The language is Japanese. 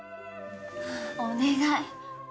お願い！